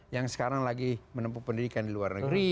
yang sekarang lagi menempuh pendidikan di luar negeri